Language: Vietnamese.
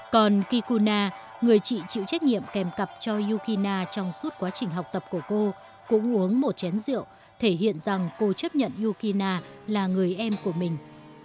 còn kikuna người chị chịu trách nhiệm kèm cặp cho yukina trong suốt quá trình học tập của cô cũng uống một chén rượu thể hiện rằng cô chấp nhận yukina là người em của mình